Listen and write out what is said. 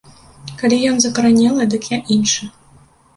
Калі ён закаранелы, дык я іншы.